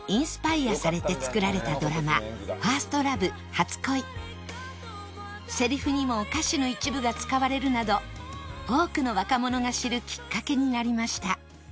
宇多田ヒカルさんのセリフにも歌詞の一部が使われるなど多くの若者が知るきっかけになりました